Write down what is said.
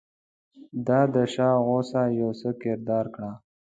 ده د شاه غوسه یو څه کراره کړه.